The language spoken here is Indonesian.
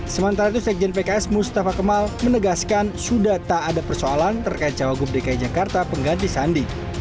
sementara itu sekjen pks mustafa kemal menegaskan sudah tak ada persoalan terkait cawagup dki jakarta pengganti sandi